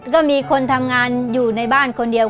ก็มีคนทำงานอยู่ในบ้านคนเดียว